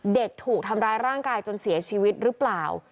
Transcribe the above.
ถูกทำร้ายร่างกายจนเสียชีวิตหรือเปล่า